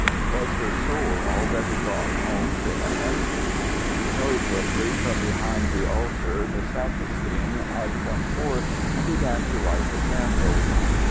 Was her soul already gone home to Heaven? Noiselessly from behind the altar the sacristine had come forth and begun to light the candles.